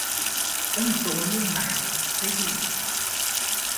Antônio Marques Ferreira